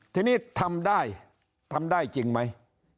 ทีนี้ทำได้ทำได้จริงไหม